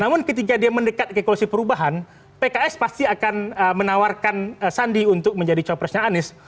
namun ketika dia mendekat ke koalisi perubahan pks pasti akan menawarkan sandi untuk menjadi capresnya anies